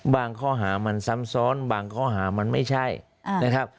ข้อหามันซ้ำซ้อนบางข้อหามันไม่ใช่นะครับ